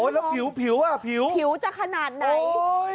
แล้วผิวผิวจะขนาดไหน